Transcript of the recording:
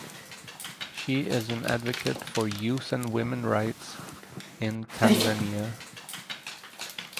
She is an advocate for youth and women rights in Tanzania.